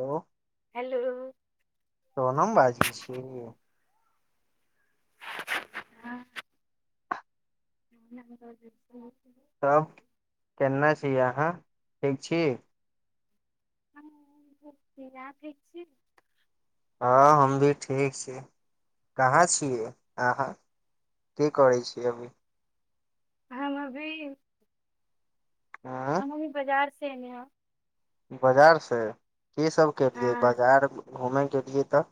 ओ hello Sonam बाजै छि ह तब केने छी अहाँ ठीक छी हम भ रखै छी हँ हम भी ठीक छी कहाँ छियै अहाँ की करै छी अभी हम अभी हम उं अभी बाजार से एने ह बाजार से की सब केलियै हँ बाजार घूमे केलियै त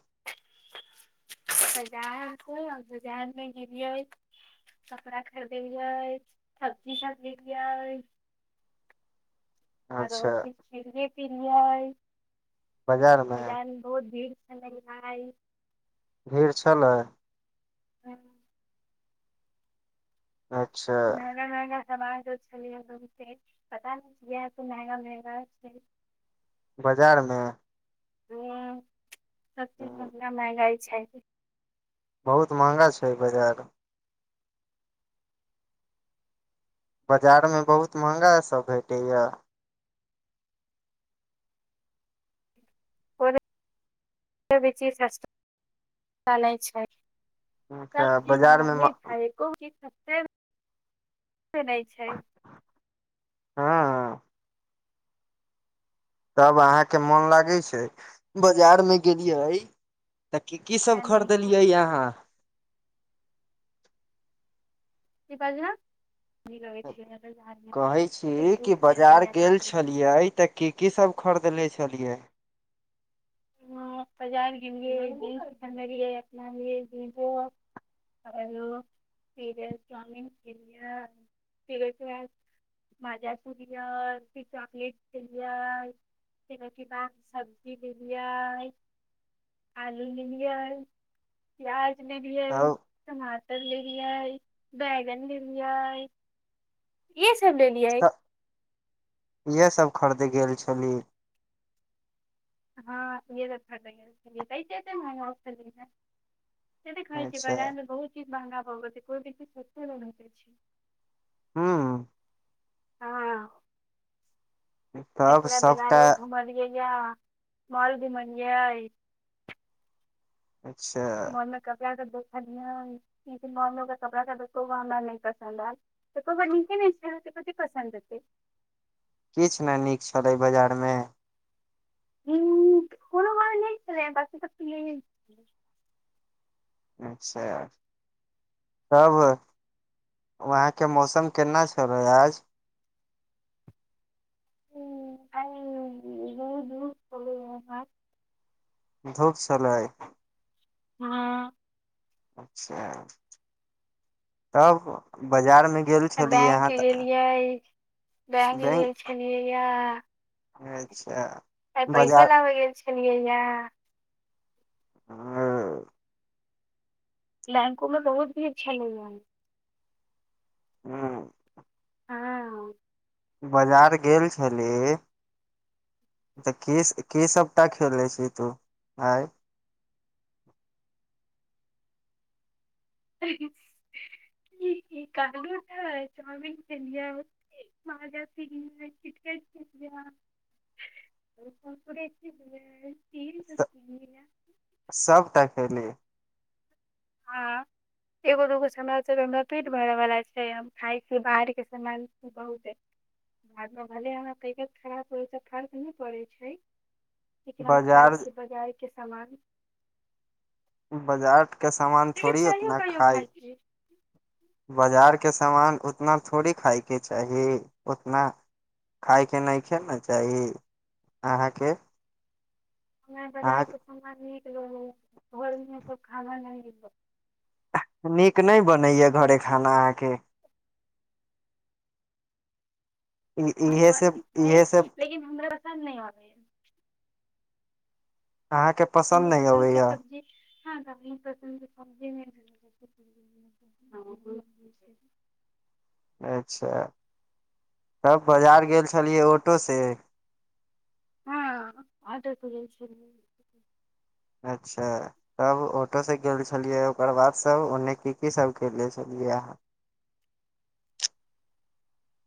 सजात बजामे गेलियै कपड़ा खरिदलियै सब्जी खरिदलियै [inaudible] [unintelligible] आरो अच्छा फेर खेलियै पी लियै बाजार मे बजारमे बहुत भीड़ चनइ भीड़ छलै ह अच्छा महंगा महंगा समानो छलियै बहुते पता नहि त महगा महेगा बाजारमे ह्म सबचीज हूँ, महंगा महंगाइ छै बहुत महँगा छै बाजार बाजारमे बहुत महंगास सब भेटैया ओ बेचीसा चै छै सब अच्छा चीज बाजार मे म महंगे छै एको गो चिज सस्ता से नहि छै हँ तब अहाँके मोन लागै छै बजारमे गेलियै तऽ की की तै सब नै छै खरीदलियै आहाँ की बाज ह कहै छी धूप कि बाजार छलैया बाप गेल रे छलियै तऽ की की सब खर् दने छलियै ह बाजार गेलियै जिंस अनलियै अपना लेल एगो आरो फेरो चाउमिन खेलियै फेर ओइके बाद माजा पुलियै फिर चॉकलेट खेलियै फेर ओइके बाद सब्जी मे पियाज आलू लेलियै प्याज लेलियै तब टमाटर लेलियै बैगन लेलियै इहे सब लेलियै इएह सब खरीदै गेल छली हँ इहे सब खरिद गेल छलियै तै त एते महंगा भी गेलन है नहि देखै छियै अच्छा बाजारमे बहुत चीज महंगा भऽ गेल छै कोइ भी चीज सस्ते नहिभेटै छै हू हँ तब हरपुरा सबटा बाजारो घुमलिय जा मारुद मनियइ अच्छा जा के देखिए कपड़ा देख एको गो हमरा नहि पसन्द आयल त नचे पसन्द एतै किछु ने नीक छलै बाजार में ह कोनो बार ल छलै बाकी तऽ त ल अच्छा यार तब वहाँके मौसम केना छलै आज ह अइ हल धूप सलाय हं अच्छा तब बाजारमे गेल आ छलियै बैंक अहाँ तऽ गेलियै बैंक गेल छलियै या अच्छा आइ पैसो बाजार लाबै गेल छलियैए आ लैकों में बहुत भीड़ छलै एल है हँ हँ बाजार गेल छलही तऽ की की सभटा खेलै छी तू आँय [inaudible] ह ई कहलू नै चाउमीन खेलिए मा़जा पिलिए किटकैट [inaudible] [inaudible] कुरकुरै खेलिएयै सभटा खेली हँ एगो दूगो समय हमरा पेट भरैवालला छै हम खाइ छी बाहरके समाल छी बहुत बाद में भले हमरा तबियत खराब होयसँ फर्क नहि पड़ैत छै लेकिन हम खाइ बाजार छियै बाजार के सामान बाजार के सामान लेकिन थोड़ी कहियो उतना कहियो खाइ खाय छी बाजार के सामान उतना थोड़े खााय के चाही उतना खाय के नहिखे ने चाही अहाँके नै बजार अहाँ के समान नीक लागय घर मे खाना नहि नीक लगै नीक नहि बनैए घरे खाना अहाँके इ- इहे से बनै छै इहे से लेकिन हमरा पसन्द नहि अबैए अहाँके पसन्द नहि के अबैया सब्जी हँ तऽ हमरा पसंद के‌ सब्जी नै समझ अच्छा तब बाजार गेल छलियै ऑटो से हँ ऑटो स गेल छलियै अच्छा तब ऑटो से गेल छलियै ओकर बाद सब ओन्ने की की सब खेरदे छलियै इयह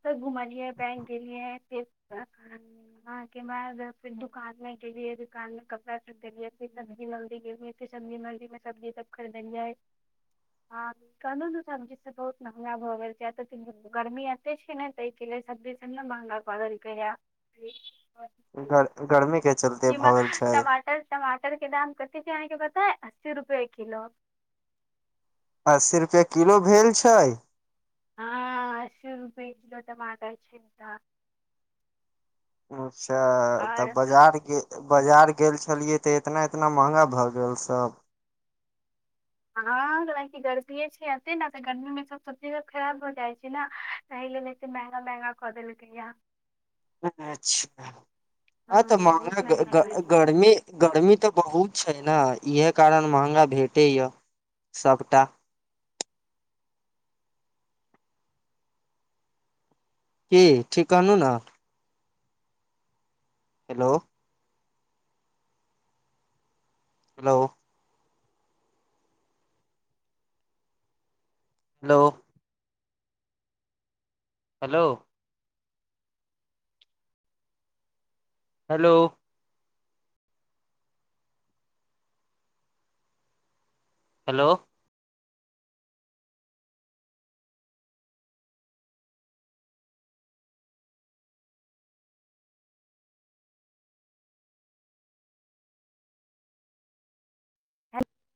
तऽ घुमलियै बैंक गेलियै फिर अहां के बाद फिर दुकानमे गेलियै दुकानमे कपड़ा खरीदलियै फेर सब्जीमंडी गेलियै फेर सब्जी मंडीमे सब्जी सब खरीदलियै [inaudible] ह कहलहुं ने सब्जी सब बहुत महँगा भऽ गेल छै एत त गर्मी [unintelligible] गर गर्मी के चलते ई मा भऽ गेल छै टमाटर टमाटर के दाम कथी छै अहँके ब नै अस्सी रुपये किलो अस्सी रुपये किलो भेल छै हँ‌ अस्सी रूपे किलो टमाटर छै अखन अच्छा तऽ बजारके बजार गेल छलियै तऽ इतना इतना महँगा भऽ गेल सब हँ कलाकि गर्मीेये छै अते ने तऽ गर्मी मे सब सब्जी सब खराब भ जाइ छै ने त लेल महंगा महंगा कऽ देलकैया अच्छा हँ तऽ महंगा बहुत कऽ गई देलकै। गर्मी गर्मी तऽ बहुत छै ने इह कारण मंहगा भेटैया सबटा की ठीक कहनू न hello hello hello hello hello hello hello